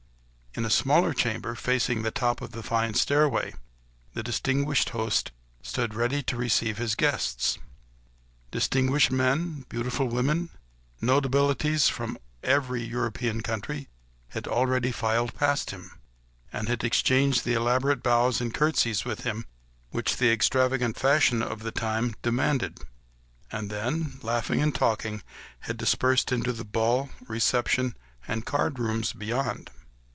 In a smaller chamber, facing the top of the fine stairway, the distinguished host stood ready to receive his guests. Distinguished men, beautiful women, notabilities from every European country had already filed past him, had exchanged the elaborate bows and curtsies with him, which the extravagant fashion of the time demanded, and then, laughing and talking, had dispersed in the ball, reception, and card rooms beyond.